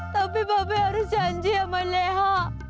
tapi bapak harus janji sama neho